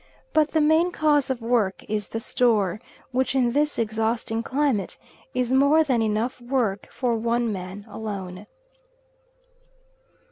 But the main cause of work is the store, which in this exhausting climate is more than enough work for one man alone.